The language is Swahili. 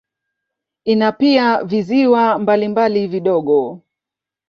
Ina pia visiwa mbalimbali vidogo.